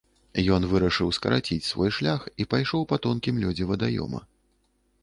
Ён вырашыў скараціць свой шлях і пайшоў па тонкім лёдзе вадаёма.